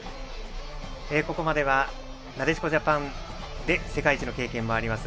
ここまでは、なでしこジャパンで世界一の経験もあります